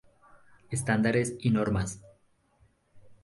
Estándares y normas.